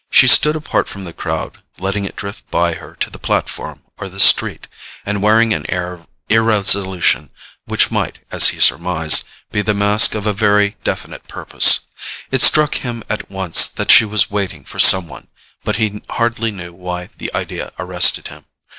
She stood apart from the crowd, letting it drift by her to the platform or the street, and wearing an air of irresolution which might, as he surmised, be the mask of a very definite purpose. It struck him at once that she was waiting for some one, but he hardly knew why the idea arrested him.